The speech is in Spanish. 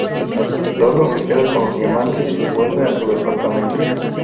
Lolo se queda con los diamantes y vuelve a su departamento.